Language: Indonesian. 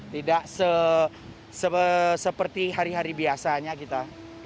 tidak seperti hari hari biasanya kita